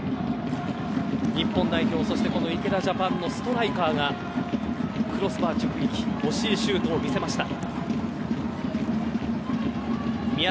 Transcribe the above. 日本代表、そして池田ジャパンのストライカーがクロスバー直撃惜しいシュートを見せました。